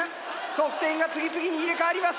得点が次々に入れ代わります！